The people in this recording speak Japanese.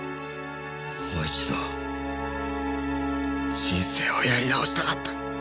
もう一度人生をやり直したかった。